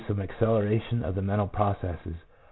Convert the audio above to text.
97 some acceleration of the mental processes.